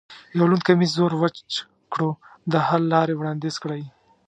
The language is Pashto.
یو لوند کمیس زر وچ کړو، د حل لارې وړاندیز کړئ.